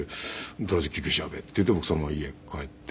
「とりあえず救急車呼べって言って僕そのまま家へ帰って」